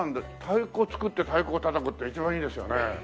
太鼓を作って太鼓を叩くって一番いいですよね。